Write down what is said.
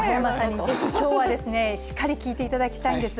今日はしっかり聞いていただきたいんです。